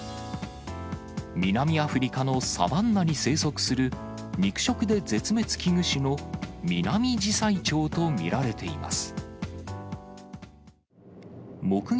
南アフリカのサバンナに生息する肉食で絶滅危惧種のミナミジサイチョウと見られています。